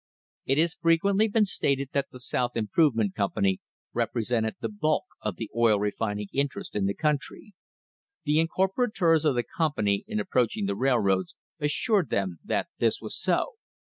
It has frequently been stated that the South Improvement Company represented the bulk of the oil refining interests in the country. The incorporators of the company in approach ing the railroads assured them that this was so.